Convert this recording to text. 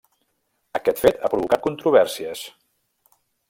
Aquest fet ha provocat controvèrsies.